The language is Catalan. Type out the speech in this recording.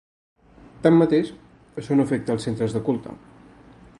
Tanmateix, això no afecta als centres de culte.